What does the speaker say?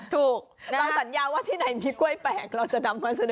ถูกเราสัญญาว่าที่ไหนมีกล้วยแปลกเราจะนำมาเสนอ